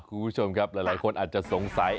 คุณผู้ชมครับหลายคนอาจจะสงสัย